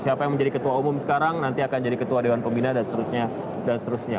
siapa yang menjadi ketua umum sekarang nanti akan jadi ketua dewan pembina dan seterusnya